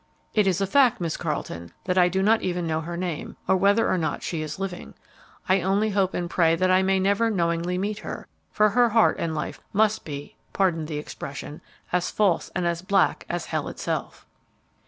"It is a fact, Miss Carleton, that I do not even know her name, or whether or not she is living. I only hope and pray that I may never knowingly meet her, for her heart and life must be pardon the expression as false and as black as hell itself."